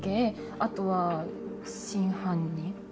あとは真犯人。